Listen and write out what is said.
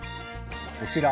こちら